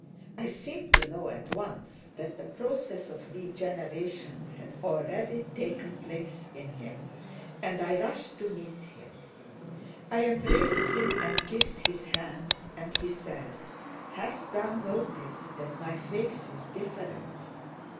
I seemed to know at once that the process of regeneration had already taken place in him, and I rushed to meet him. I embraced him and kissed his hands, and he said, "Hast thou noticed that my face is different?"